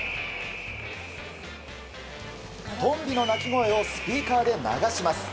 トンビの鳴き声をスピーカーで流します。